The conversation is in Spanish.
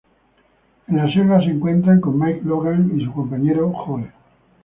En la selva se encuentran con Mike Logan y su compañero Joe.